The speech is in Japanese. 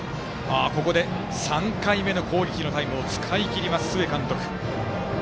ここで３回目の攻撃のタイムを使い切ります須江監督。